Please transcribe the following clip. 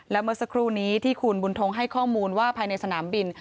และเมื่อสักครู่นี้ที่คุณบุญทงให้ข้อมูลว่าภายในสนามบิน